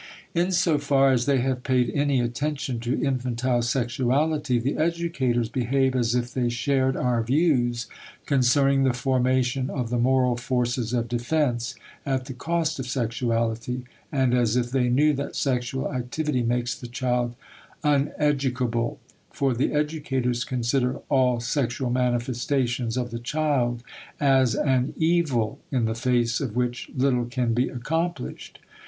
In so far as they have paid any attention to infantile sexuality the educators behave as if they shared our views concerning the formation of the moral forces of defence at the cost of sexuality, and as if they knew that sexual activity makes the child uneducable; for the educators consider all sexual manifestations of the child as an "evil" in the face of which little can be accomplished.